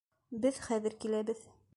Беҙ хәҙер киләбеҙ.